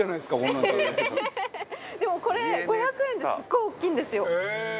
奈緒：でも、これ、５００円ですっごい大きいんですよ！